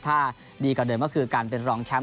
ถ้าดีกว่าเดิมก็คือการเป็นรองแชมป